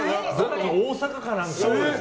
大阪かなんかで。